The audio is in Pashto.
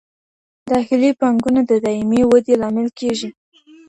داخلي پانګونه د دایمي ودې لامل کیږي.